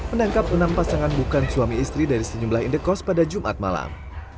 menangkap enam pasangan bukan suami istri dari sejumlah indekos pada jumat malam